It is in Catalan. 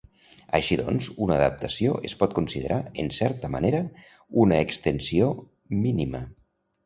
Així doncs, una adaptació es pot considerar, en certa manera, una extensió mínima.